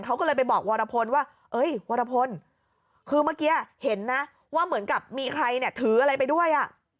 เขาก็เลยไปบอกวรพลว่าเอ้ยวรพลคือเมื่อกี้เห็นนะว่าเหมือนกับมีใครเนี่ยถืออะไรไปด้วยอ่ะ